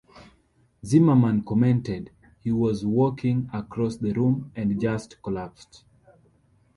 Zimmerman commented, He was walking across the room and just collapsed.